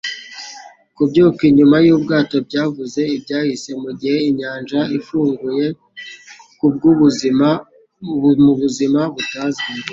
Kubyuka inyuma yubwato byavuze ibyahise mugihe inyanja ifunguye kubwubuzima mubuzima butazwi.